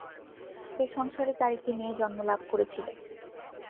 এ সংসারে তার একটি মেয়ে জন্ম লাভ করেছিল।